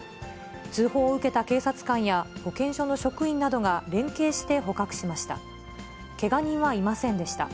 通報を受けた警察官や、保健所の職員などが連携して捕獲しました。